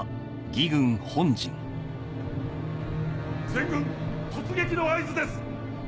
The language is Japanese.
全軍突撃の合図です。